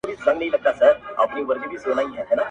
د مالگینو سونډو اور ته، څو جلوې د افتاب دود سوې~